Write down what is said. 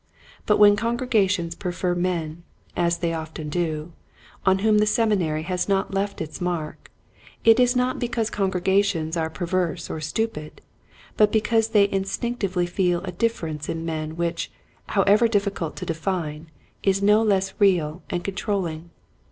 But when congrega tions prefer men — as they often do — on whom the Seminary has not left its mark, it is not because congregations are perverse or stupid, but because they instinctively feel a difference in men which, however difficult to define, is no less real and con trolling.